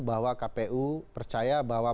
bahwa kpu percaya bahwa